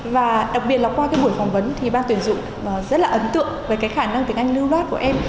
và đặc biệt là qua cái buổi phỏng vấn thì ban tuyển dụng rất là ấn tượng về cái khả năng tiếng anh lưu loát của em